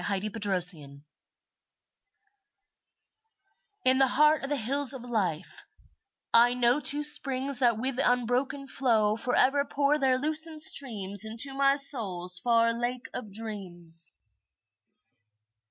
My Springs In the heart of the Hills of Life, I know Two springs that with unbroken flow Forever pour their lucent streams Into my soul's far Lake of Dreams.